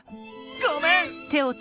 ごめん！